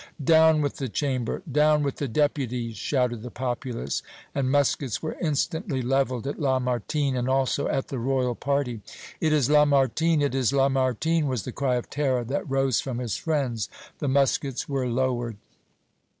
"Down with the Chamber! Down with the Deputies!" shouted the populace, and muskets were instantly leveled at Lamartine, and, also, at the Royal party. "It is Lamartine! it is Lamartine!" was the cry of terror that rose from his friends. The muskets were lowered.